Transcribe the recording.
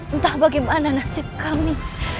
entah bagaimana nasib kami